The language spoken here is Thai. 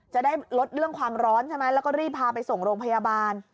จะได้ลดเรื่องความร้อนใช่ไหมแล้วก็รีบพาไปส่งโรงพยาบาล